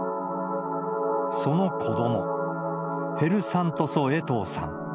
その子ども、ヘル・サントソ・衛藤さん。